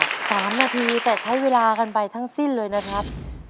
สามนาทีแต่ใช้เวลากันไปทั้งสิ้นเลยนะครับ